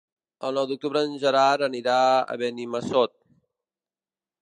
El nou d'octubre en Gerard anirà a Benimassot.